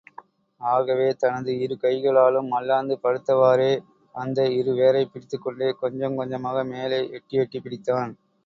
ஆகவே, தனது இருகைகளாலும் மல்லாந்து படுத்தவாறே அந்த வேரைப் பிடித்துக்கொண்டே கொஞ்சம் கொஞ்சமாக மேலே எட்டி எட்டிப் பிடித்தான்.